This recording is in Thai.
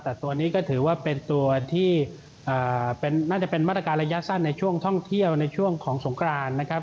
แต่ตัวนี้ก็ถือว่าเป็นตัวที่น่าจะเป็นมาตรการระยะสั้นในช่วงท่องเที่ยวในช่วงของสงครานนะครับ